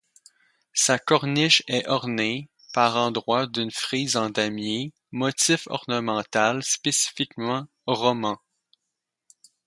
Sa corniche est ornée par endroits d'une frise en damier, motif ornemental spécifiquement roman.